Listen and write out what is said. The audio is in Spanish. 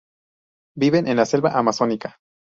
Viven en la selva amazónica.